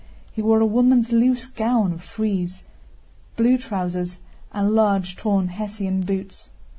He wore a woman's loose gown of frieze, blue trousers, and large torn Hessian boots.